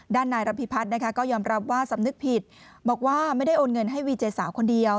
นายรับพิพัฒน์นะคะก็ยอมรับว่าสำนึกผิดบอกว่าไม่ได้โอนเงินให้วีเจสาวคนเดียว